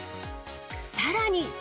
さらに。